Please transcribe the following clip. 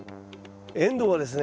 エンドウはですね